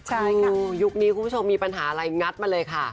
ใช่ค่ะยุคนี้คุณผู้ชมมีปัญหาอะไรงัดมาเลยค่ะ